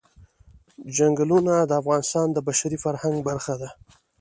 چنګلونه د افغانستان د بشري فرهنګ برخه ده.